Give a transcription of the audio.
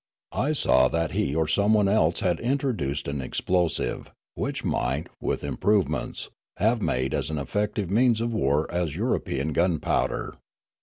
I saw that he or someone else had introduced an explosive, which might, with improve ments, have made as effective a means of war as Euro pean gunpowder.